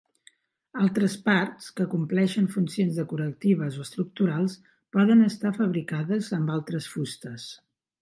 Altres parts, que compleixen funcions decoratives o estructurals poden estar fabricades amb altres fustes.